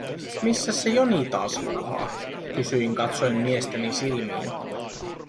“Missäs se Joni taas luuhaa?”, kysyin katsoen miestäni silmiin.